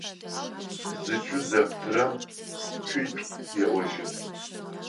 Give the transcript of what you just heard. Зыцу зэптырэм цуитӏу еӏожьы.